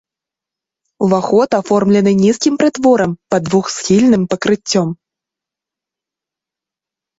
Уваход аформлены нізкім прытворам пад двухсхільным пакрыццём.